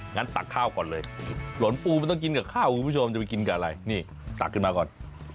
ตักข้าวก่อนเลยหลนปูมันต้องกินกับข้าวคุณผู้ชมจะไปกินกับอะไรนี่ตักขึ้นมาก่อน